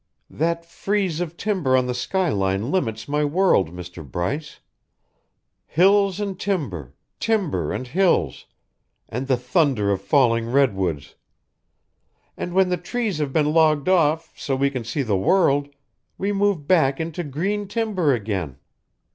That frieze of timber on the skyline limits my world, Mr Bryce. Hills and timber, timber and hills, and the thunder of falling redwoods. And when the trees have been logged off so we can see the world, we move back into green timber again."